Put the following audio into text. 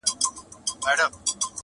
اصلاح نه سو لایې بد کول کارونه،